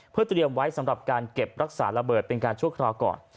เพื่อเตรียมไว้สำหรับการเก็บรักษาระเบิดเป็นการชั่วคราวก่อน